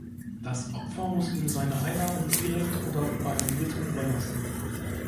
Das Opfer muss ihm seine Einnahmen direkt oder über einen Dritten überlassen.